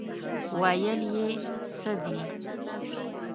ویل یې څه دي.